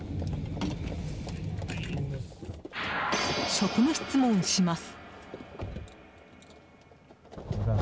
職務質問します。